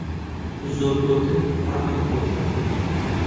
زۆر گۆتن قورئان خۆشە.